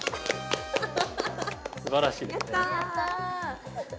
すばらしいですね。